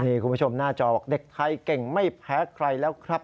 นี่คุณผู้ชมหน้าจอบอกเด็กไทยเก่งไม่แพ้ใครแล้วครับ